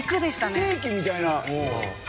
ステーキみたいな。